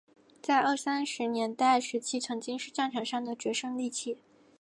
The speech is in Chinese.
在二三十年代时期曾经是战场上的决胜利器。